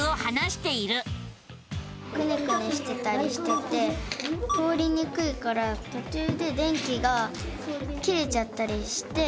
くねくねしてたりしてて通りにくいからとちゅうで電気が切れちゃったりして。